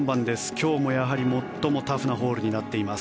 今日もやはり最もタフなホールになっています。